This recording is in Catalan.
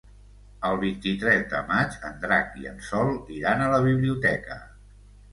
El vint-i-tres de maig en Drac i en Sol iran a la biblioteca.